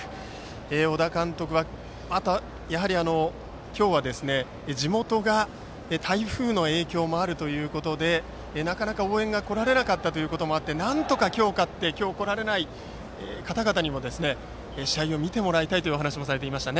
小田監督は今日は地元が台風の影響もあるということでなかなか応援に来られなかったということでなんとか今日、勝って今日来られない方々にも試合を見てもらいたいというお話もされていました。